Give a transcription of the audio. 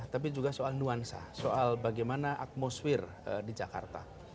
tapi juga soal nuansa soal bagaimana atmosfer di jakarta